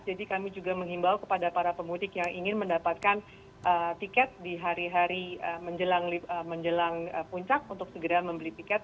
jadi kami juga menghimbau kepada para pemutik yang ingin mendapatkan tiket di hari hari menjelang puncak untuk segera membeli tiket